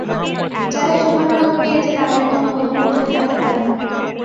যারা এসব ঘটনা ঘটিয়েছে, তাদের অন্য কোনো পরিচয় থাকতে পারে না।